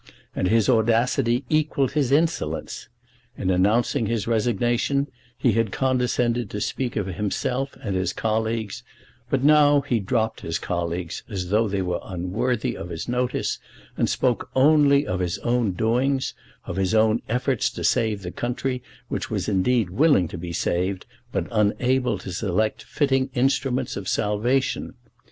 And his audacity equalled his insolence. In announcing his resignation, he had condescended to speak of himself and his colleagues; but now he dropped his colleagues as though they were unworthy of his notice, and spoke only of his own doings, of his own efforts to save the country, which was indeed willing to be saved, but unable to select fitting instruments of salvation.